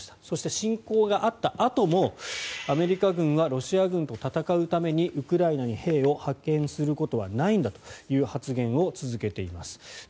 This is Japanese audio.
そして侵攻があったあともアメリカ軍はロシア軍と戦うためにウクライナに兵を派遣することはないんだという発言を続けています。